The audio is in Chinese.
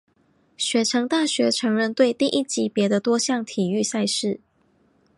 雪城大学橙人队第一级别的多项体育赛事。